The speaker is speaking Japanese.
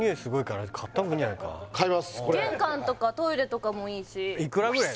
玄関とかトイレとかもいいしいくらぐらい？